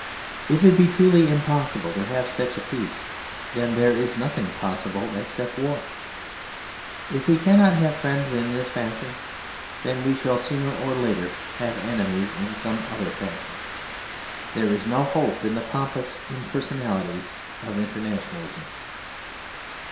If it be truly impossible to have such a peace, then there is nothing possible except war. If we cannot have friends in this fashion, then we shall sooner or later have enemies in some other fashion. There is no hope in the pompous impersonalities of internationalism.